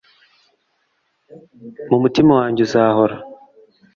mu mutima wanjye uzahora